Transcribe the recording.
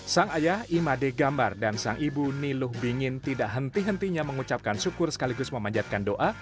sang ayah imade gambar dan sang ibu niluh bingin tidak henti hentinya mengucapkan syukur sekaligus memanjatkan doa